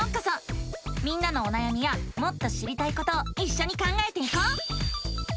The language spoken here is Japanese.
みんなのおなやみやもっと知りたいことをいっしょに考えていこう！